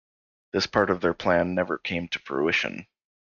This part of their plan never came to fruition.